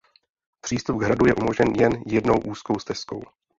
Přístup k hradu je umožněn jen jednou úzkou stezkou.